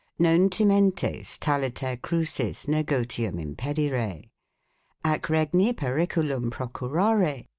non ti mentes taliter crusis negotium impedire; ac regni periculum procurare.